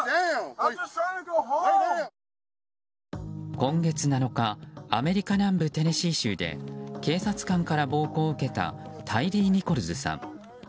今月７日アメリカ南部テネシー州で警察官から暴行を受けたタイリー・ニコルズさん。